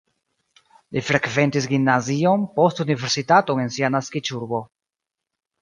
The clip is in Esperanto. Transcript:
Li frekventis gimnazion, poste universitaton en sia naskiĝurbo.